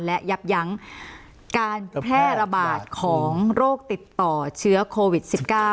และยับยั้งการแพร่ระบาดของโรคติดต่อเชื้อโควิด๑๙